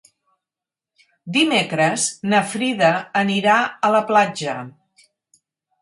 Dimecres na Frida anirà a la platja.